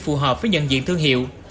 phù hợp với nhận diện thương hiệu